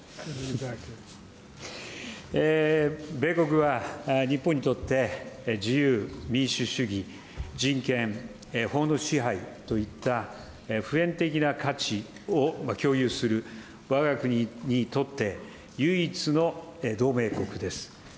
米国は日本にとって、自由民主主義、人権、法の支配といった普遍的な価値を共有する、わが国にとって唯一の同盟国です。